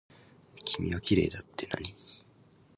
君はきれいだってなに。